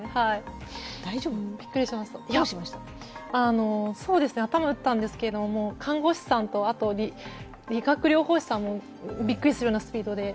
びっくりしました、頭を打ったんですけれども、看護師さんと、理学療法士さんもびっくりするようなスピードで。